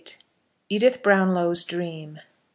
EDITH BROWNLOW'S DREAM.